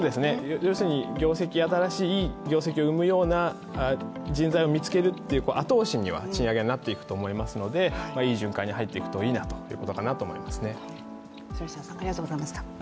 要するに新しい業績を生むような人材を見つけるという後押しには賃上げがなっていくと思いますのでいい循環に入っていくといいなということかなと思います。